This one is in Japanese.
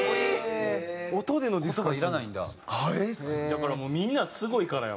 だからもうみんなすごいからやもんな。